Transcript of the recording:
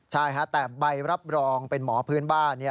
ใช่แต่ใบรับรองเป็นหมอพื้นบ้าน